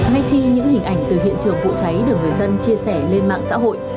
ngay khi những hình ảnh từ hiện trường vụ cháy được người dân chia sẻ lên mạng xã hội